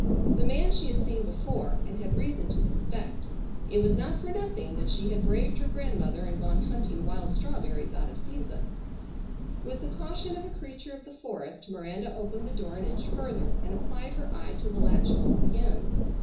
The man she had seen before, and had reason to suspect. It was not for nothing that she had braved her grandmother and gone hunting wild strawberries out of season. With the caution of a creature of the forest Miranda opened the door an inch further, and applied her eye to the latch hole again.